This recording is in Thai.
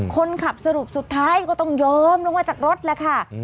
คนขับสรุปสุดท้ายก็ต้องเยิ้มลงมาจากรถแหละค่ะ